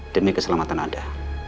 demi keselamatan anda